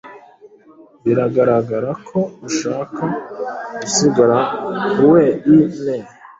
Biragaragara ko ushaka gusigara weine.